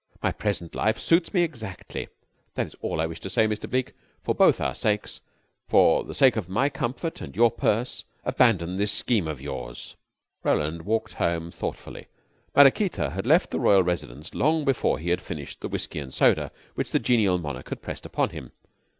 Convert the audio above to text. My present life suits me exactly. That is all I wished to say, Mr. Bleke. For both our sakes, for the sake of my comfort and your purse, abandon this scheme of yours." Roland walked home thoughtfully. Maraquita had left the royal residence long before he had finished the whisky and soda which the genial monarch had pressed upon him.